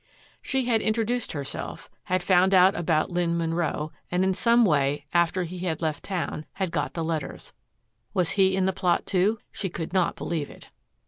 She had introduced herself, had found out about Lynn Munro, and in some way, after he had left town, had got the letters. Was he in the plot, too? She could not believe it.